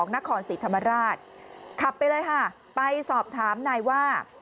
นครศรีธรรมราชขับไปเลยค่ะไปสอบถามนายว่า